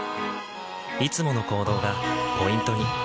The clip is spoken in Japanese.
いつもの行動がポイントに。